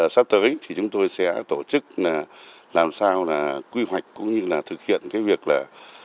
sắp tới thì chúng tôi sẽ tổ chức làm sao là quy hoạch cũng như là thực hiện cái việc là